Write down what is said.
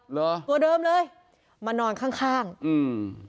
เหรอตัวเดิมเลยมานอนข้างข้างอืม